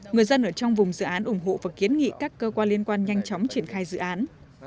người dân ở trong vùng dự án ủng hộ và kiến nghị các cơ quan liên quan nhanh chóng triển khai dự án